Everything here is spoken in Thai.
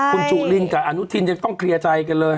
คุณจุลินกับอนุทินยังต้องเคลียร์ใจกันเลย